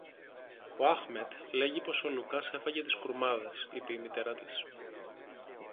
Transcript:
Ο Άχμετ λέγει πως ο Λουκάς έφαγε τις κουρμάδες, είπε η μητέρα της.